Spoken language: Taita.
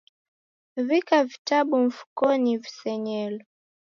W'ika vitabu mfukonyi visenyelo